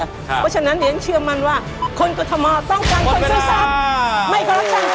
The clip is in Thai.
เพราะฉะนั้นเดี๋ยวฉันเชื่อมันว่าคนกรทมต้องการคนซื้อสัตว์ไม่คอรับชันค่ะ